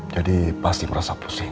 jadi pasti merasa pusing